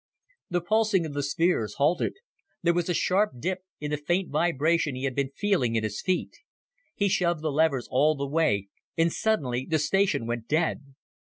The pulsing of the spheres halted. There was a sharp dip in the faint vibration he had been feeling in his feet. He shoved the levers all the way, and suddenly the station went dead.